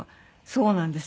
そうなんです。